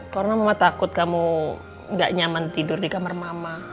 karena mama takut kamu gak nyaman tidur di kamar mama